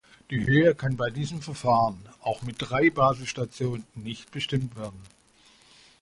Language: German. Die Höhe kann bei diesem Verfahren auch mit drei Basisstationen nicht bestimmt werden.